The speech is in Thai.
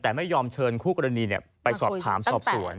แต่ไม่ยอมเชิญคู่กรณีไปสอบถามสอบสวน